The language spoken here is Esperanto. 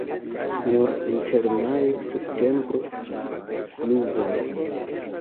Nur inter majo-septembro pluvas.